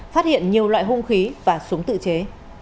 phát hiện nhiều loại hung khí và súng tự chế